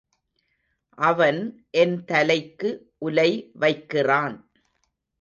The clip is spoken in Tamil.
அவன் என் தலைக்கு உலை வைக்கிறான்.